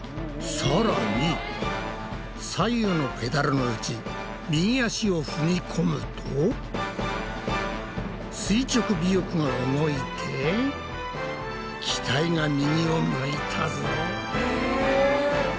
さらに左右のペダルのうち右足を踏み込むと垂直尾翼が動いて機体が右を向いたぞ。